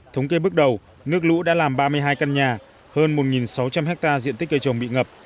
thống kê bước đầu nước lũ đã làm ba mươi hai căn nhà hơn một sáu trăm linh hectare diện tích cây trồng bị ngập